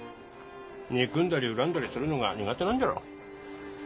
憎んだり恨んだりするのが苦手なんじゃろ。